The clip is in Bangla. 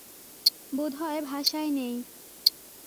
বোধ হয় ভাষায় নেই।